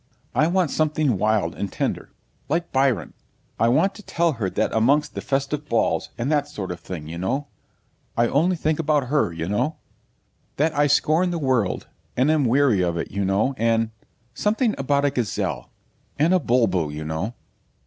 I want something wild and tender, like Byron. I want to tell her that amongst the festive balls, and that sort of thing, you know I only think about her, you know that I scorn the world, and am weary of it, you know, and something about a gazelle, and a bulbul, you know.'